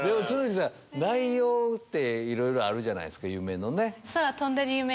内容っていろいろあるじゃないですか夢のね。